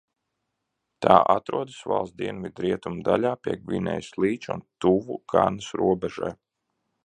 Tā atrodas valsts dienvidrietumu daļā pie Gvinejas līča un tuvu Ganas robežai.